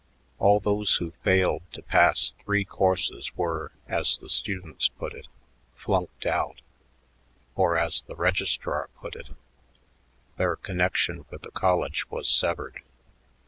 All those who failed to pass three courses were, as the students put it, "flunked out," or as the registrar put it, "their connection with the college was severed."